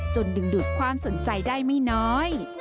ดึงดูดความสนใจได้ไม่น้อย